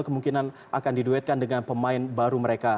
kemungkinan akan diduetkan dengan pemain baru mereka